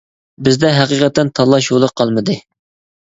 بىزدە ھەقىقەتەن تاللاش يولى قالمىدى.